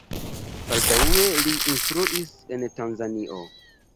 Baldaŭe li instruis en Tanzanio.